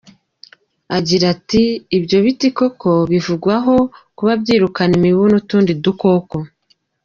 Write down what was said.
Agira ati “Ibyo biti koko bivugwaho kuba byirukana imibu n’utundi dukoko.